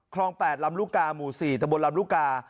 ครองสี่ทะโบร์นลำลูกา